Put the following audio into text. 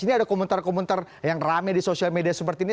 ini ada komentar komentar yang rame di sosial media seperti ini